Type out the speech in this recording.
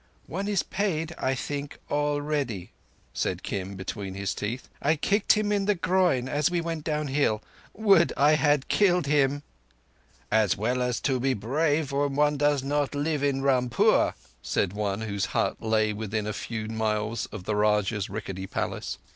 "One is paid, I think, already," said Kim between his teeth. "I kicked him in the groin as we went downhill. Would I had killed him!" "It is well to be brave when one does not live in Rampur," said one whose hut lay within a few miles of the Rajah's rickety palace.